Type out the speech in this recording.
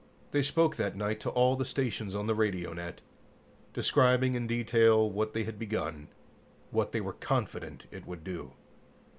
They spoke that night to all the stations on the radio net, describing in detail what they had begun, what they were confident it would do.